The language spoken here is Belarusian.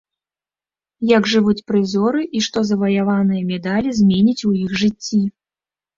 Як жывуць прызёры і што заваяваныя медалі зменяць у іх жыцці.